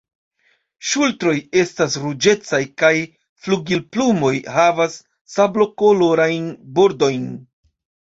Ŝultroj estas ruĝecaj kaj flugilplumoj havas sablokolorajn bordojn.